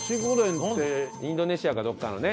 インドネシアかどこかのね。